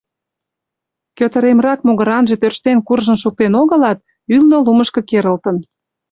Кӧтыремрак могыранже тӧрштен куржын шуктен огылат, ӱлнӧ лумышко керылтын.